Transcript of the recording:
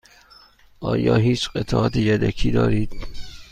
آیا هیچ قطعات یدکی دارید؟